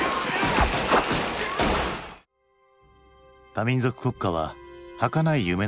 多民族国家ははかない夢なのか？